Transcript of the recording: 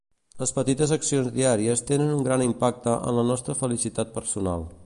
Les petites accions diàries tenen un gran impacte en la nostra felicitat personal.